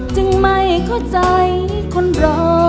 จึงไม่เข้าใจคนรอ